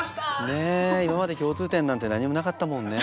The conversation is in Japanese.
ねえ今まで共通点なんて何もなかったもんね。